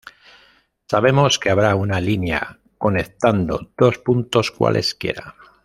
Sabemos que habrá una línea conectando dos puntos cualesquiera.